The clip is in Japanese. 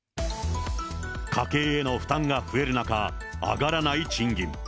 家計への負担が増える中、上がらない賃金。